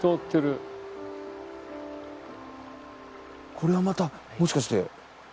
これはまたもしかして。